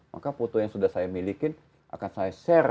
maka foto yang sudah saya miliki akan saya share